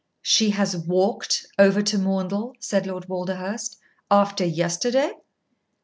"She has walked over to Maundell," said Lord Walderhurst "after yesterday?"